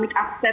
batuk dan demam